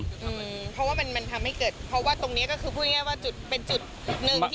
เพราะว่ามันมันทำให้เกิดเพราะว่าตรงนี้ก็คือพูดง่ายว่าจุดเป็นจุดหนึ่ง